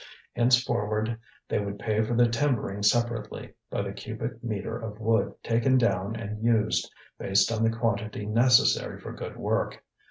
Henceforward they would pay for the timbering separately, by the cubic metre of wood taken down and used, based on the quantity necessary for good work.